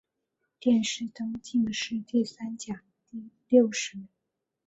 殿试登进士第三甲第六十名。